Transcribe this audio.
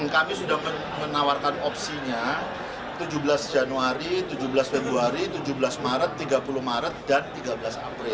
kami sudah menawarkan opsinya tujuh belas januari tujuh belas februari tujuh belas maret tiga puluh maret dan tiga belas april